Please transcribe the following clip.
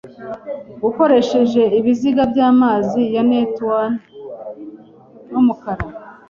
ukoresheje ibiziga byamazi ya Newton numukara